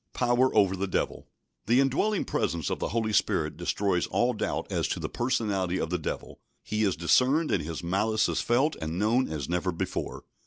Power over the Devil. The indwelling presence of the Holy Spirit destroys all doubt as to the personality of the Devil. He is discerned, and his malice is felt and known as never before.